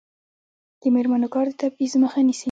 د میرمنو کار د تبعیض مخه نیسي.